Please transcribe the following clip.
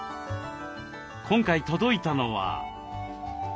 今回届いたのは。